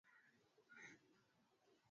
kilichopo kata ya Emboret wilaya ya Simanjiro